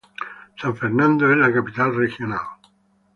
San Fernando es la capital regional.